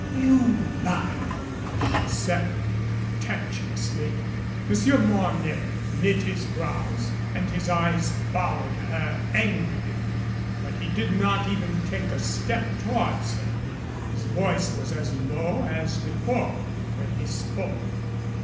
"You lie," she said, contemptuously. Monsieur Mornay knit his brows, and his eyes followed her angrily, but he did not even take a step towards her. His voice was as low as before when he spoke.